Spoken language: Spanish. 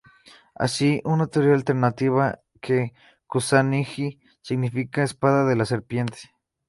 Así, una teoría alternativa es que Kusanagi significa "espada de la serpiente".